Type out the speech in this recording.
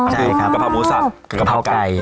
กะเพราหมูสับกะเพราไก่